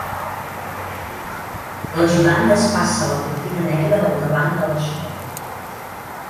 L'ajudant despassa la cortina negra del davant de l'Escort.